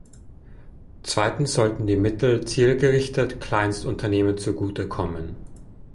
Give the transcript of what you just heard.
Zweitens sollten die Mittel zielgerichtet Kleinstunternehmen zugute kommen.